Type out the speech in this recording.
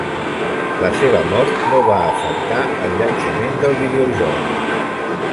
La seva mort no va afectar el llançament del videojoc.